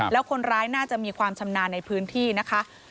แล้วคนร้ายน่าจะมีความชำนาญในพื้นที่นะคะ